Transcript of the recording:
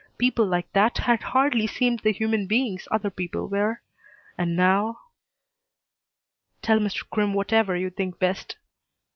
People like that had hardly seemed the human beings other people were. And now "Tell Mr. Crimm whatever you think best."